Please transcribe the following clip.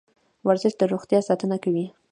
ورزش د روغتیا ساتنه کوي.